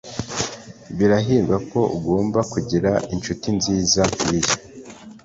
Birahirwa ko ugomba kugira inshuti nziza nkiyi